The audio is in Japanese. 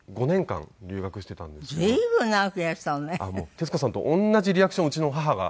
徹子さんと同じリアクションをうちの母が。